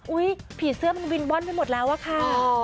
ผีเสื้อมันวินว่อนไปหมดแล้วอะค่ะ